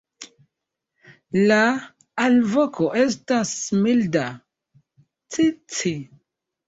La alvoko estas milda "ci-ci".